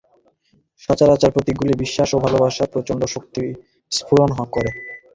সচরাচর প্রতীকগুলি বিশ্বাস ও ভালবাসার প্রচণ্ড শক্তি স্ফুরণ করে।